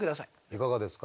いかがですか？